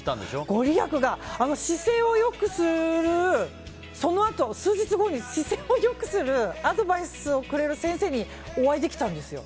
ご利益がそのあと、数日後に姿勢を良くするアドバイスをくれる先生にお会いできたんですよ。